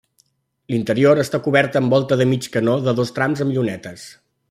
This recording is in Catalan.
L'interior està cobert amb volta de mig canó de dos trams amb llunetes.